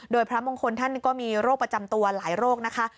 โดยพระมงคลท่านก็มีโรคประจำตัวหลายโรคนะคะ